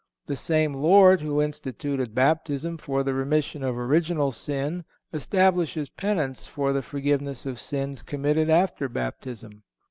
The same Lord who instituted Baptism for the remission of original sin established Penance for the forgiveness of sins committed after Baptism.